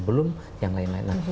belum yang lain lain